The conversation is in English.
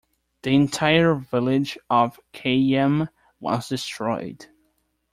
The entire village of Khayyam was destroyed.